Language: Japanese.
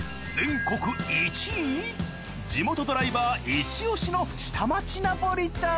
地元ドライバーイチオシの下町ナポリタン。